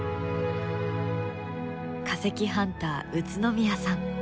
化石ハンター宇都宮さん。